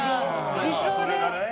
理想です。